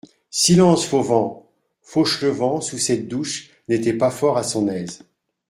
Silence, Fauvent ! Fauchelevent, sous cette douche, n'était pas fort à son aise.